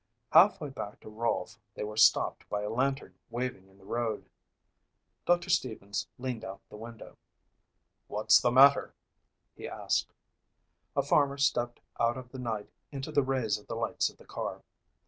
Half way back to Rolfe they were stopped by a lantern waving in the road. Doctor Stevens leaned out the window. "What's the matter?" he asked. A farmer stepped out of the night into the rays of the lights of the car.